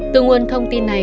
từ nguồn thông tin này